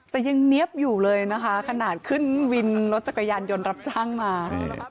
แต่ยังเนี๊ยบอยู่เลยนะคะขนาดขึ้นวินรถจักรยานยนต์รับจ้างมา